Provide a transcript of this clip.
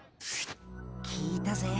聞いたぜ。